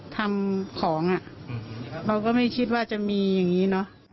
ทำของเราก็ไม่คิดว่ามีอย่างนี้